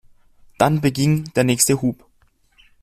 Dann beginnt der nächste Hub.